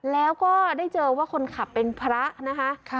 แล้วก็ได้เจอว่าคนขับเป็นพระนะคะ